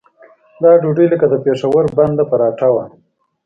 دا ډوډۍ لکه د پېښور بنده پراټه وه.